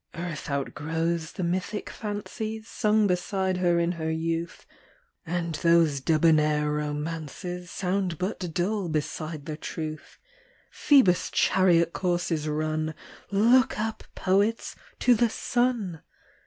ARTH outgrows the mythic fancies Sung beside her in her youth ; And those debonair romances Sound but dull beside the truth. Phoebus' chariot course is run ! Look up, poets, to the sun